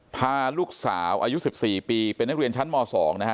พาลูกสาวอายุสิบสี่ปีเป็นนักเรียนชั้นมสองนะฮะ